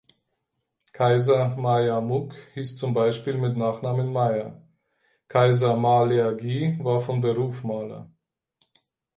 Kaiser Ma-Ya-Muck hieß zum Beispiel mit Nachnamen Maier, Kaiser Ma-Ler-Gie war von Beruf Maler.